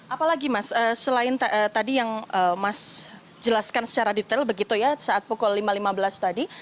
apalagi mas selain tadi yang mas jelaskan secara detail begitu ya saat pukul lima lima belas tadi